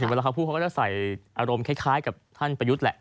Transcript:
เวลาเขาพูดเขาก็จะใส่อารมณ์คล้ายกับท่านประยุทธ์แหละ